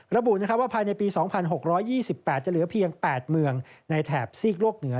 ระบุว่าภายในปี๒๖๒๘จะเหลือเพียง๘เมืองในแถบซีกโลกเหนือ